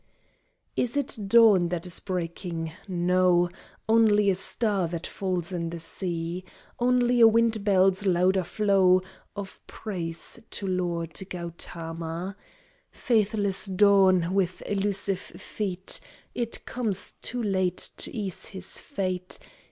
Is it dawn that is breaking?... No, Only a star that falls in the sea, Only a wind bell's louder flow Of praise to Lord Gautama. Faithless dawn! with illusive feet It comes too late to ease his fate.